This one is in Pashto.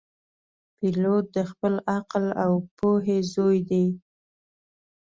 پیلوټ د خپل عقل او پوهې زوی دی.